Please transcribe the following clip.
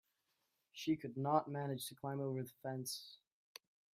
She could not manage to climb over the fence.